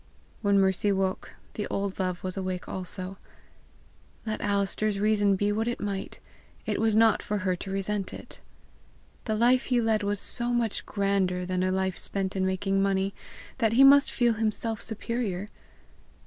When Mercy woke, the old love was awake also; let Alister's reason be what it might, it was not for her to resent it! The life he led was so much grander than a life spent in making money, that he must feel himself superior!